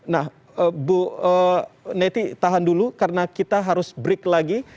nah bu neti tahan dulu karena kita harus break lagi